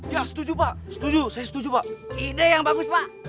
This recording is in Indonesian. ya setuju pak setuju saya setuju pak ide yang bagus pak